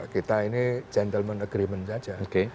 kita ini gentleman agreement saja